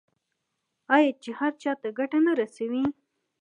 آیا چې هر چا ته ګټه نه رسوي؟